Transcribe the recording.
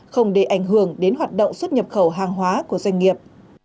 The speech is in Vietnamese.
không để ảnh hưởng đến hoạt động xuất nhập khẩu hàng hóa của doanh nghiệp